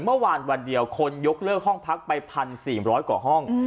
เมื่อวานวันเดียวคนยกเลือกห้องพักไป๑๔๐๐กว่าห้อง